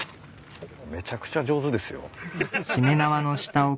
めちゃくちゃ上手ですよ。